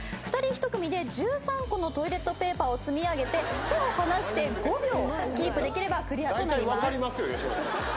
２人１組で１３個のトイレットペーパーを積み上げて手を離して５秒キープできればクリアとなります。